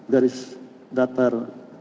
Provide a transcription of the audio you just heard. garis datar delapan belas